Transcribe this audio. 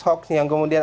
hukum yang kemudian